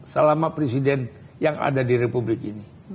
selama presiden yang ada di republik ini